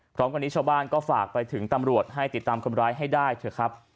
พร้อมกันนี้ชาวบ้านก็ฝากไปถึงตำรวจให้ติดตามคนร้ายให้ได้เถอะครับ